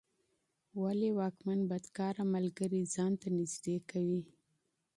ولي واکمن بدکاره ملګري ځان ته نږدې کوي؟